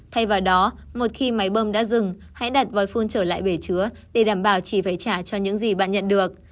thay vào đó một khi máy bơm đã dừng hãy đặt vòi phun trở lại bể chứa để đảm bảo chỉ phải trả cho những gì bạn nhận được